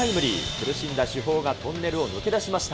苦しんだ主砲がトンネルを抜け出しました。